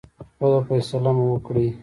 خپله فیصله مو وکړی.